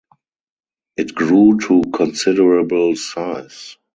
It grew to considerable size.